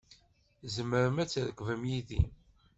Tzemrem ad trekbem yid-i.